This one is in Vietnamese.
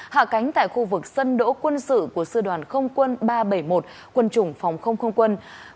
hạ cánh tại khu vực sân đỗ quân sự của sư đoàn không quân ba trăm bảy mươi một quân chủng phòng không không quân